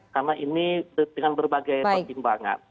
karena ini dengan berbagai pertimbangan